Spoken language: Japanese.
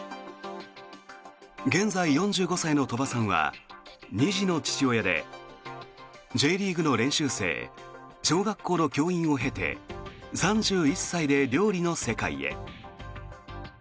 現在４５歳の鳥羽さんは２児の父親でＪリーグの練習生小学校の教員を経て３１歳で料理の世界へ。